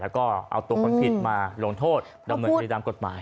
แล้วก็เอาตัวคนผิดมาลงโทษดำเนินคดีตามกฎหมาย